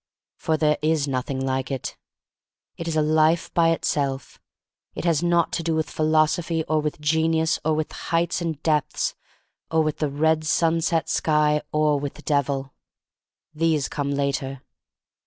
For there is nothing like it. It is a life by itself. It has naught to do with philosophy, or with genius, or with heights and depths, or with the red sunset sky, or with the Devil. These come later.